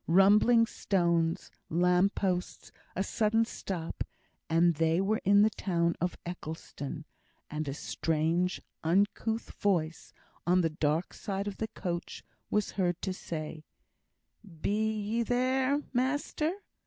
Rumbling stones, lamp posts, a sudden stop, and they were in the town of Eccleston; and a strange, uncouth voice, on the dark side of the coach, was heard to say, "Be ye there, measter?"